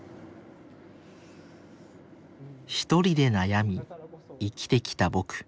ひとりで悩み生きてきたぼく。